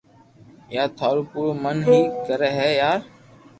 يا ٿرو پورو من ھي ڪرو ھي يار